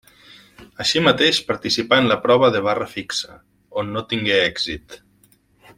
Així mateix participà en la prova de barra fixa, on no tingué èxit.